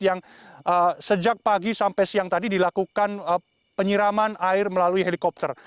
yang sejak pagi sampai siang tadi dilakukan penyiraman air melalui helikopter